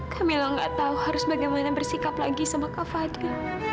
kamilah gak tahu harus bagaimana bersikap lagi sama kak fadli